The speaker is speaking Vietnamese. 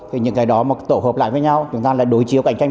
thì những cái đó mà tổ hợp lại với nhau chúng ta là đối chiếu cạnh tranh